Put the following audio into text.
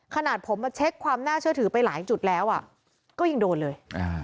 ขนาดผมมาเช็คความน่าเชื่อถือไปหลายจุดแล้วก็ยังโดนเลย